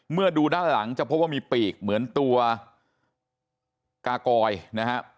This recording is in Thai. เมื่อดูด้านหลังจะพบว่ามีปีกเหมือนตัวกากอยนะฮะ